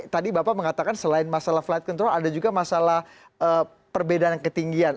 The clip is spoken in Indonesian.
tadi bapak mengatakan selain masalah flight control ada juga masalah perbedaan ketinggian